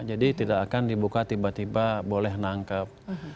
jadi tidak akan dibuka tiba tiba boleh nangkep